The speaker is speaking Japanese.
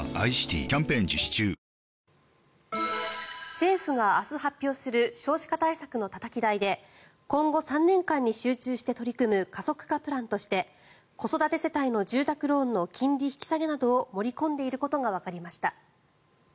政府が明日発表する少子化対策のたたき台で今後３年間に集中して取り組む加速化プランとして子育て世帯の住宅ローンの金利引き下げなどを盛り込んでいることがわかりました。